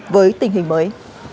với tình hình mới